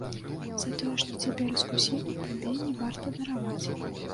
За тое, што цябе раскусілі, табе не варта дараваць.